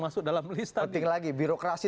masuk dalam listanya penting lagi birokrasi